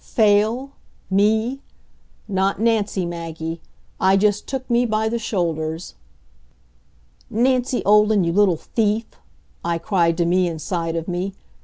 Fail? Me? Not Nancy, Maggie. I just took me by the shoulders. "Nancy Olden, you little thief!" I cried to me inside of me.